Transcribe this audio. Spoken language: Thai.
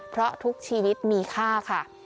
เพราะทุกชีวิตมีค่าค่ะ